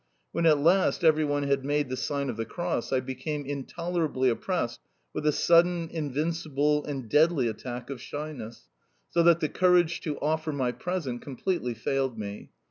When at last every one had made the sign of the cross I became intolerably oppressed with a sudden, invincible, and deadly attack of shyness, so that the courage to, offer my present completely failed me.